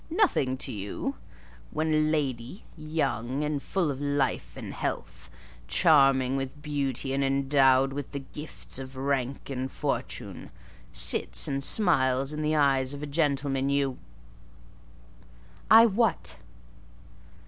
"Nothing to you? When a lady, young and full of life and health, charming with beauty and endowed with the gifts of rank and fortune, sits and smiles in the eyes of a gentleman you—" "I what?"